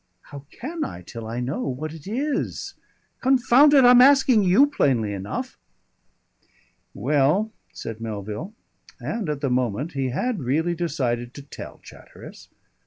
"How can I, till I know what it is? Confound it! I'm asking you plainly enough." "Well," said Melville, and at the moment he had really decided to tell Chatteris.